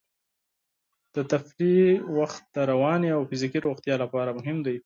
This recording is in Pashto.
د تفریح وخت د رواني او فزیکي روغتیا لپاره مهم دی.